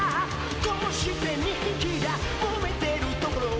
「こうして２匹がもめてるところを」